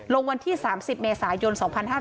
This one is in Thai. วันที่๓๐เมษายน๒๕๕๙